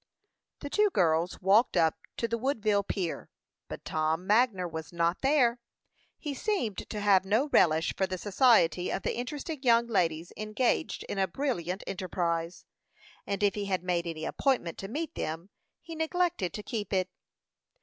The two girls walked up to the Woodville pier; but Tom Magner was not there. He seemed to have no relish for the society of the interesting young ladies engaged in a brilliant enterprise; and if he had made any appointment to meet them, he neglected to keep it.